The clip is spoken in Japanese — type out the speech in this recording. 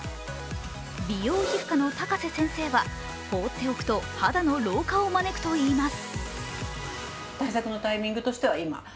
美容皮膚科の高瀬先生は放っておくと肌の老化を招くといいます。